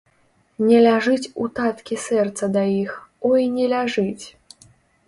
Не ляжыць у таткі сэрца да іх, ой не ляжыць!